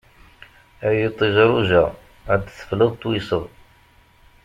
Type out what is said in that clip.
Ay iṭij rujaɣ, ad d-teffleḍ tuyseḍ.